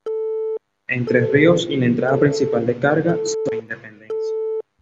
Entre Ríos y la entrada principal de carga, sobre Independencia.